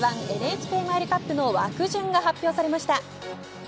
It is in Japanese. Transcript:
Ｇ１、ＮＨＫマイルカップの枠順が発表されました。